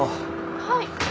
はい。